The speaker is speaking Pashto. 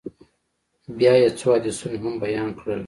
بيا يې څو حديثونه هم بيان کړل.